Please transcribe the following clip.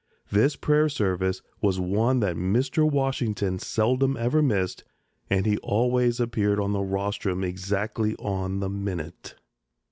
This prayer service was one that Mr. Washington seldom ever missed and he always appeared on the rostrum exactly on the minute.